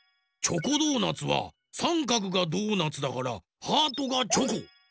チョコドーナツはさんかくがドーナツだからハートがチョコ。